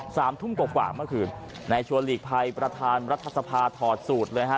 สามทุ่มกว่ากว่าเมื่อคืนในชวนหลีกภัยประธานรัฐสภาถอดสูตรเลยฮะ